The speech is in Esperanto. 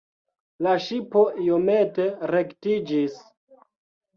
La ŝipo iomete rektiĝis.